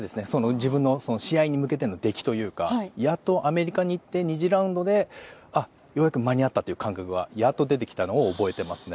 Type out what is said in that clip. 自分の試合に向けての出来というかやっとアメリカに行って２次ラウンドでようやく間に合ったという感覚がやっと出てきたのを覚えてますね。